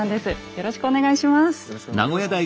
よろしくお願いします。